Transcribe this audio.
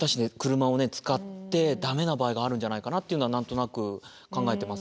車を使って駄目な場合があるんじゃないかなっていうのは何となく考えてますけど。